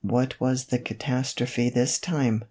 " What was the catas trophe this time